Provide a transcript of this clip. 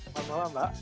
selamat malam mbak